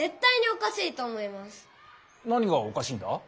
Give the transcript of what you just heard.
何がおかしいんだ？